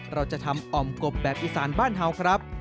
เราจะทำอ่อมกบแบบอีสานบ้านเฮาวครับ